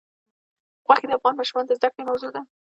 غوښې د افغان ماشومانو د زده کړې موضوع ده.